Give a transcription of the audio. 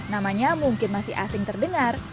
namanya mungkin masih asing terdengar